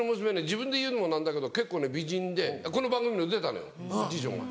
自分で言うのも何だけど結構ね美人でこの番組にも出たのよ次女が。